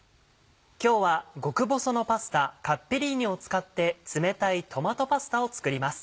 今日は極細のパスタカッペリーニを使って冷たいトマトパスタを作ります。